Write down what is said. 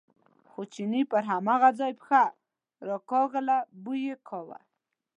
خو چیني پر هماغه ځای پښه راکاږله، بوی یې کاوه.